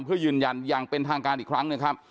เพื่อยืนยันอย่างเป็นทางการอีกครั้งหนึ่งครับ